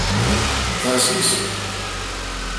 Θα ζήσει!